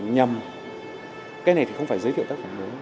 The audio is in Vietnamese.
nhằm cái này thì không phải giới thiệu tác phẩm mới